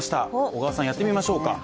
小川さん、やってみましょうか。